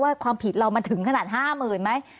ว่าความผิดเรามาถึงขนาด๕๐๐๐๐มั้ย